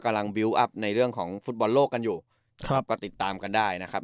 บิวตอัพในเรื่องของฟุตบอลโลกกันอยู่ครับก็ติดตามกันได้นะครับ